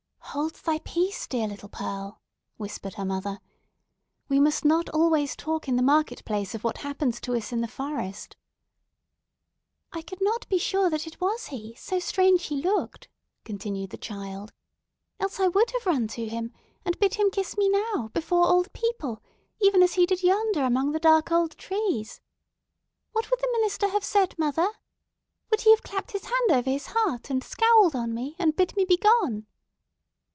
"Hold thy peace, dear little Pearl!" whispered her mother. "We must not always talk in the market place of what happens to us in the forest." "I could not be sure that it was he—so strange he looked," continued the child. "Else I would have run to him, and bid him kiss me now, before all the people, even as he did yonder among the dark old trees. What would the minister have said, mother? Would he have clapped his hand over his heart, and scowled on me, and bid me begone?"